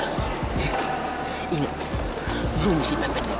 bang harus kuatan dekat